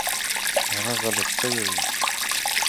He was mistaken.